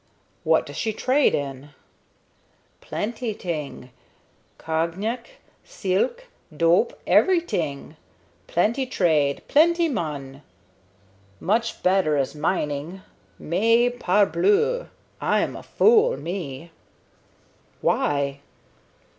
"What does she trade in?" "Plenty t'ing. Cognac, seelk, dope, everyt'ing. Plenty trade, plenty mun. Much better as mining. Mais, parbleu! I am a fool, me." "Why?"